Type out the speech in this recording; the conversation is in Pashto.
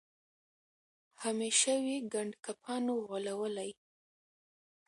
همېشه وي ګنډکپانو غولولی